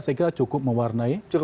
saya kira cukup mewarnai